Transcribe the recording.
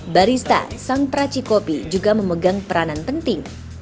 barista sang peraci kopi juga memegang peranan penting